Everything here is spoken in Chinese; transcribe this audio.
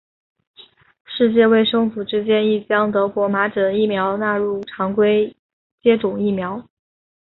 世界卫生组织建议将德国麻疹疫苗纳入常规接种疫苗。